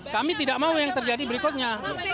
kami tidak mau yang terjadi berikutnya